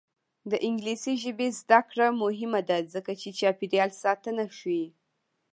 د انګلیسي ژبې زده کړه مهمه ده ځکه چې چاپیریال ساتنه ښيي.